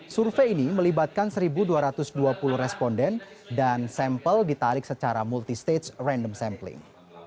survei ini melibatkan satu dua ratus dua puluh responden dan sampel ditarik secara multistage random sampling